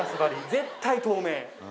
絶対透明。